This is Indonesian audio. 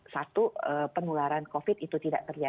satu penularan covid itu tidak terjadi